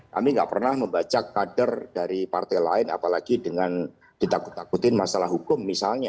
kami nggak pernah membaca kader dari partai lain apalagi dengan ditakut takutin masalah hukum misalnya